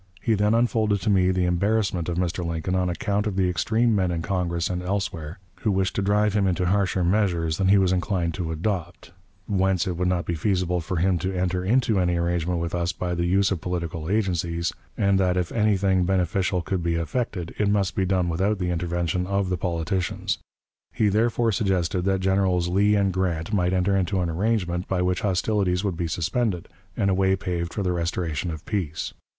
He then unfolded to me the embarrassment of Mr. Lincoln on account of the extreme men in Congress and elsewhere, who wished to drive him into harsher measures than he was inclined to adopt; whence it would not be feasible for him to enter into any arrangement with us by the use of political agencies; that, if anything beneficial could be effected, it must be done without the intervention of the politicians. He, therefore, suggested that Generals Lee and Grant might enter into an arrangement by which hostilities would be suspended, and a way paved for the restoration of peace.